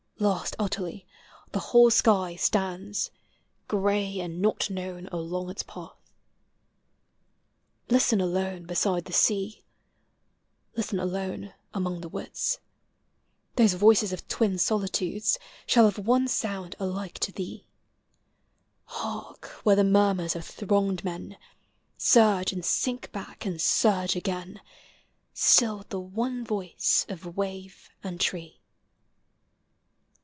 Last utterly, the whole sky stands, Gray and not known, along its path. 44li POEMS OF XATURE. Listen alone beside the sea, Listen alone among the woods; Those voices of twin solitudes Shall have one sound alike to thee : Hark where the murmurs of thronged men, Surge and sink back and surge again — Still the one voice of wave and tree.